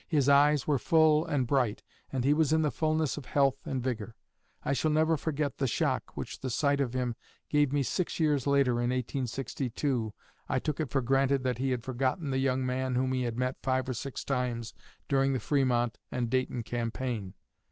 His eyes were full and bright, and he was in the fulness of health and vigor. I shall never forget the shock which the sight of him gave me six years later in 1862, I took it for granted that he had forgotten the young man whom he had met five or six times during the Frémont and Dayton Campaign.